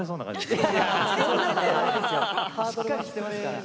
しっかりしてますから。